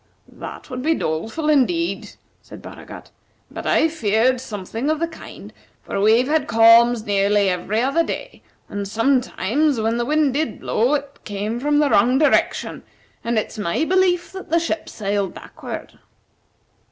"That would be doleful, indeed," said Baragat; "but I've feared something of the kind, for we've had calms nearly every other day, and sometimes, when the wind did blow, it came from the wrong direction, and it's my belief that the ship sailed backward."